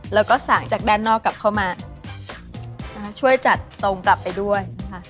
แล้วก็สางจากด้านนอกกลับเข้ามาช่วยจัดทรงกลับไปด้วยค่ะ